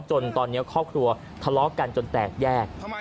จนตอนนี้ครอบครัวทะเลาะกันจนแตกแยก